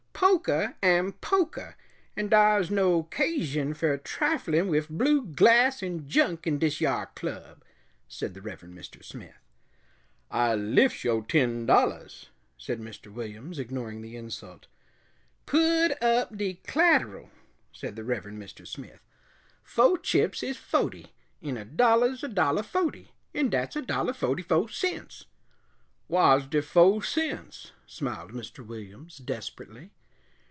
"Pokah am pokah, and dar's no 'casion fer triflin' wif blue glass 'n junk in dis yar club," said the Reverend Mr. Smith. "I liffs yo' ten dollahs," said Mr. Williams, ignoring the insult. "Pud up de c'lateral," said the Reverend Mr. Smith. "Fo' chips is fohty, 'n a dollah's a dollah fohty, 'n dat's a dollah fohty fo' cents." "Whar's de fo' cents?" smiled Mr. Williams, desperately.